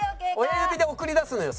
親指で送り出すのよ